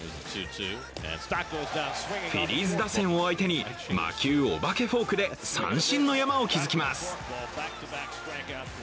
フィリーズ打線を相手に、魔球・お化けフォークで三振の山を築きます。